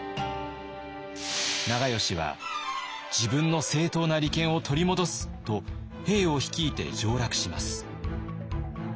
長慶は「自分の正当な利権を取り戻す」と兵を率いて上洛します。